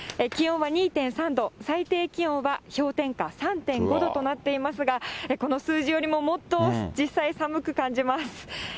気温は２．３度、最低気温は氷点下３．５度となっていますが、この数字よりももっと実際寒く感じます。